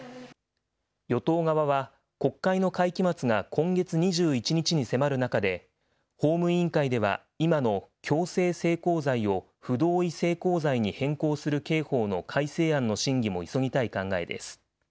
与党側は、国会の会期末が今月２１日に迫る中で、法務委員会では今の強制性交罪を不同意性交罪に変更する刑法の改正案の審議も急ぎたい考えです。